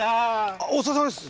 あお疲れさまです！